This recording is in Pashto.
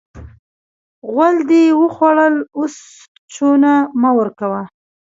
غول دې وخوړل؛ اوس چونه مه ورکوه.